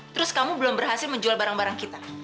terus kamu belum berhasil menjual barang barang kita